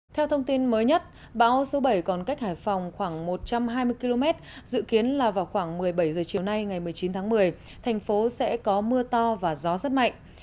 theo thông tin mới nhất bão số bảy còn cách hải phòng khoảng một trăm hai mươi km dự kiến là vào khoảng một mươi bảy h chiều nay ngày một mươi chín tháng một mươi thành phố sẽ có mưa to và gió rất mạnh